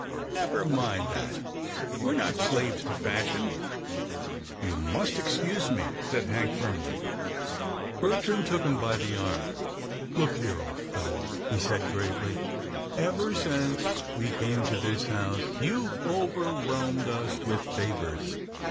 " Never mind that, we're not slaves to fash ion." " You must excuse me," said Hank firmly. Bertrand took him by the arm. " Look here, old fellow," he said gravely, " ever since we came to this house, you've overwhelmed us with favours.